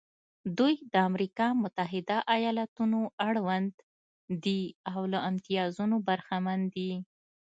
دوی د امریکا متحده ایالتونو اړوند دي او له امتیازونو برخمن دي.